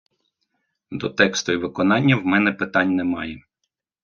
До тексту й виконання в мене питань немає.